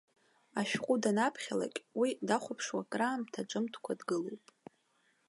Ашәҟәы данаԥхьалак, уи дахәаԥшуа, краамҭа ҿымҭкәа дгылоуп.